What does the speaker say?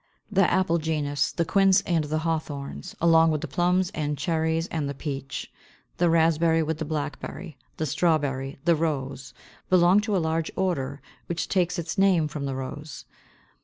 The Apple genus, the Quince and the Hawthorns, along with the Plums and Cherries and the Peach, the Raspberry with the Blackberry, the Strawberry, the Rose, belong to a large order, which takes its name from the Rose.